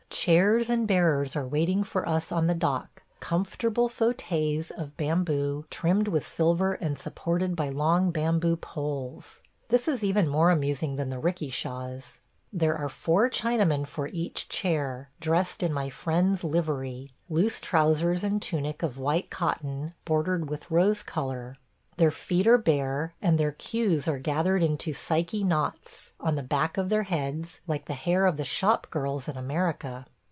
Chairs and bearers are waiting for us on the dock – comfortable fauteuils of bamboo, trimmed with silver and supported by long bamboo poles. This is even more amusing than the 'rikishas. There are four Chinamen for each chair, dressed in my friend's livery – loose trousers and tunic of white cotton bordered with rose color. Their feet are bare and their queues are gathered into Psyche knots, on the back of their heads, like the hair of the shop girls in America.